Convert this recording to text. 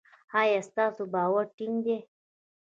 ایا ستاسو باور ټینګ دی؟